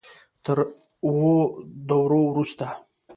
تر اوو دورو وروسته.